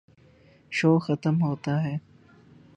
شو ختم ہوتا ہے۔